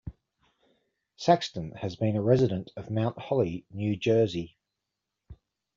Saxton has been a resident of Mount Holly, New Jersey.